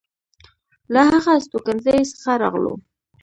له هغه استوګنځي څخه راغلو.